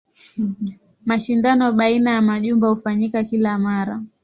Mashindano baina ya majumba hufanyika kila mara.